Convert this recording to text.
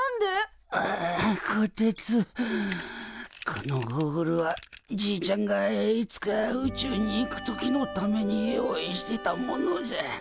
このゴーグルはじいちゃんがいつか宇宙に行く時のために用意してたものじゃ。